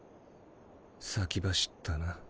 先走ったな。